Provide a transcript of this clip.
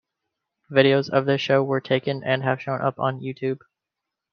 Videos of this show were taken and have shown up on YouTube.